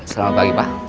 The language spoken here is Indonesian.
selamat pagi pak